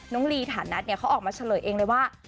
น้องลีฐานัทเขาออกมาเฉลยเองเลยว่า